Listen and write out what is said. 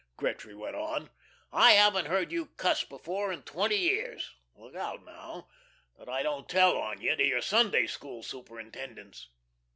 Gretry went on. "I haven't heard you cuss before in twenty years. Look out, now, that I don't tell on you to your Sunday school superintendents."